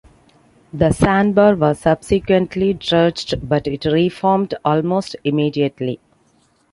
The sandbar was subsequently dredged, but it reformed almost immediately.